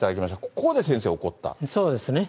ここで先生、そうですね。